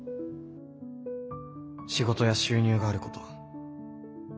仕事や収入があること。